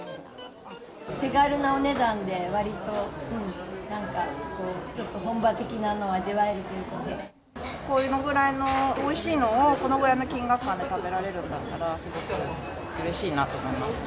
お手ごろなお値段で、わりとなんか、ちょっと本場的なものをこのぐらいのおいしいのをこのぐらいの金額感で食べられるんだったら、すごくうれしいなと思います。